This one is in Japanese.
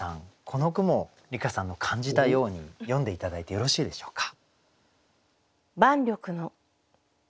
この句も梨香さんの感じたように読んで頂いてよろしいでしょうか？